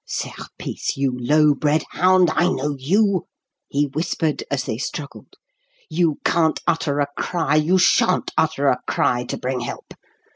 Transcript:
"Serpice, you low bred hound, I know you!" he whispered, as they struggled. "You can't utter a cry you shan't utter a cry to bring help.